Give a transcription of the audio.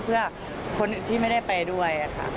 เพื่อคนที่ไม่ได้ไปด้วยค่ะ